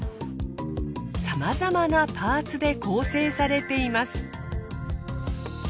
さまざまなパーツで構成されています。